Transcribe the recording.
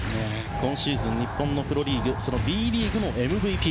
今シーズン日本のプロリーグＢリーグのＭＶＰ。